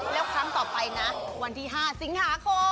แล้วครั้งต่อไปนะวันที่๕สิงหาคม